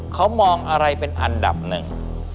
เขามองอะไรเป็นอันดับหนึ่ง